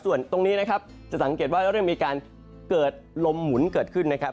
ส่วนตรงนี้นะครับจะสังเกตว่าเริ่มมีการเกิดลมหมุนเกิดขึ้นนะครับ